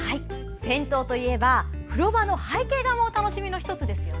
銭湯といえば、風呂場の背景画も楽しみの１つですよね。